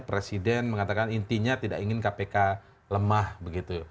presiden mengatakan intinya tidak ingin kpk lemah begitu